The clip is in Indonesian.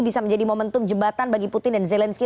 bisa menjadi momentum jembatan bagi putin dan zelensky